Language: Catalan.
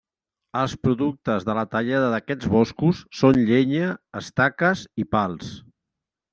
Els productes de la tallada d'aquests boscos són llenya, estaques i pals.